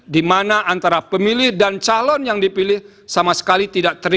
di mana antara pemilih dan calon yang dipilih sama sekali tidak terpilih